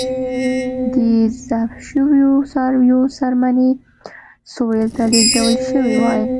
د ذبح شویو څارویو څرمنې سویل ته لېږدول شوې وای.